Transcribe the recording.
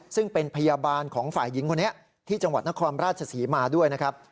ซึ่งเป็นพยาบาลของฝ่ายหญิงคนนี้ที่จังหวัดนครราชศรีมาด้วยนะครับ